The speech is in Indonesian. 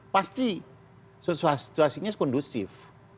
pasti situasinya kondusif